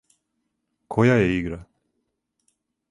Која је игра?